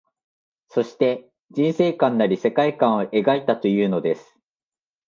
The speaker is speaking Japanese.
そして、人世観なり世界観を描いたというのです